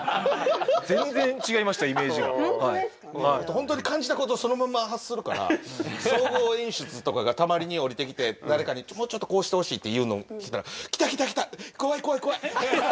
本当に感じたことをそのまんま発するから総合演出とかがたまりに下りてきて誰かに「もうちょっとこうしてほしい」っていうのを来たら「来た来た来た！怖い怖い怖い！」。